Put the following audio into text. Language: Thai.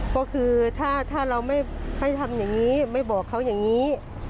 ก็คือถ้าเราไม่ให้ทำอย่างนี้ไม่บอกเขาอย่างนี้